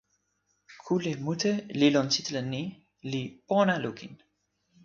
kule mute li lon sitelen ni li pona lukin.